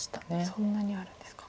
そんなにあるんですか。